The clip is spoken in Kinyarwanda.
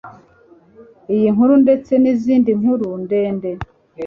Iyi nkuru ndetse n'izindi nkuru ndende